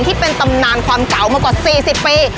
ที่เป็นตำนานความเกามากว่าสี่สิบปี